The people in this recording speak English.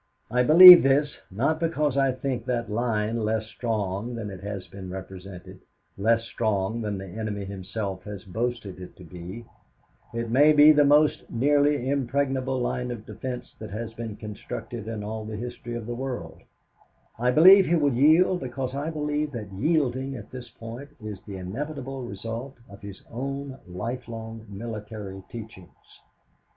I believe this, not because I think that line less strong than it has been represented, less strong than the enemy himself has boasted it to be it may be the most nearly impregnable line of defense that has been constructed in all the history of the world I believe he will yield because I believe that yielding at this point is the inevitable result of his own lifelong military teachings.